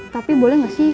tapi boleh gak sih